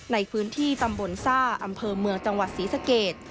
ในพื้นที่ตำบลซ่าอำเภอเมืองจังหวัดศรีสเกต